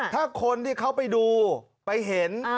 ถ้าคนที่เขาไปดูไปเห็น